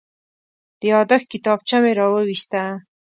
د یادښت کتابچه مې راوویسته.